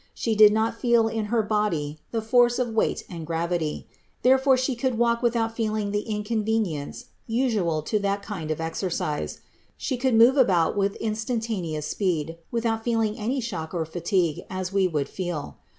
She did not feel in her body the force of weight and gravity; therefore She could walk without feeling the inconvenience usual to that kind of exercise ; She could move about with instantaneous speed, without feeling any shock or fatigue as we would feel.